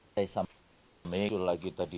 saya sampai melewati lagi tadi